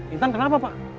intan kenapa pak